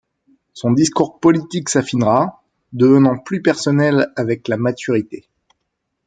Son discours politique s'affinera, devenant plus personnel avec la maturité.